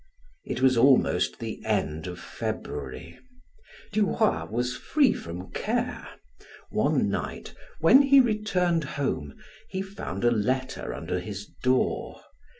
It was almost the end of February. Duroy was free from care. One night, when he returned home, he found a letter under his door.